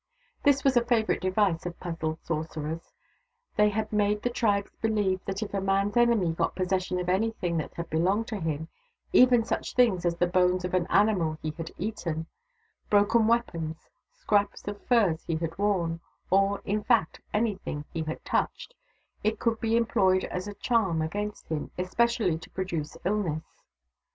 This was a favourite device of puzzled sorcerers. They had made the tribes believe that if a man's enemy got possession of anything that had belonged to him — even such things as the bones of an animal he had eaten, broken weapons, scraps of furs he had worn, or, in fact, anything he had touched— it could be employed as a charm against him, especially to produce illness.